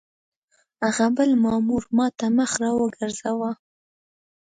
هغه بل مامور ما ته مخ را وګرځاوه.